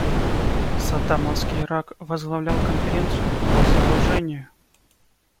Саддамовский Ирак возглавлял Конференцию по разоружению.